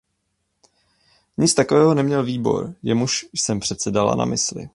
Nic takového neměl výbor, jemuž jsem předsedala, na mysli.